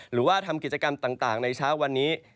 หรือว่าทำกิจกรรมต่างในเช้าวันนี้